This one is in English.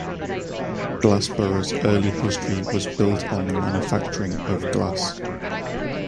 Glassboro's early history was built on the manufacturing of glass.